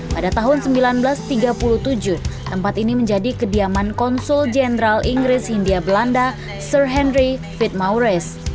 pada tahun seribu sembilan ratus tiga puluh tujuh tempat ini menjadi kediaman konsul jenderal inggris hindia belanda sur henry fit maures